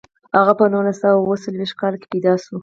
هغه په نولس سوه اووه څلویښت کال کې پیدا شو.